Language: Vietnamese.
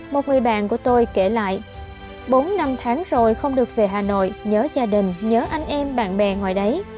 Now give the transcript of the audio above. một người bạn của tôi kể lại bốn năm tháng rồi không được về hà nội nhớ gia đình nhớ anh em bạn bè ngoài đấy